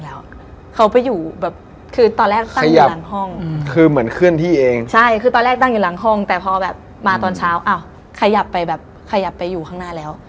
เดี๋ยวตี๓ต้องถ่ายใหม่นะ